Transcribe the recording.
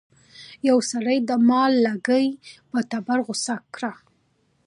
یو سړي د مار لکۍ په تبر غوڅه کړه.